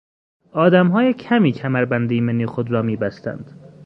آدمهای کمی کمربند ایمنی خود را میبستند